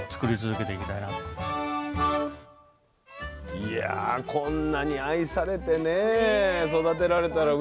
いやこんなに愛されてね育てられたらおいしさにもね。